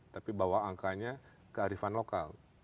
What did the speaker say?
tapi bahwa angkanya kearifan lokal